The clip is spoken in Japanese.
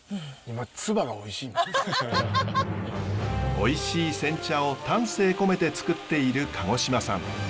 おいしい煎茶を丹精込めてつくっている籠嶋さん。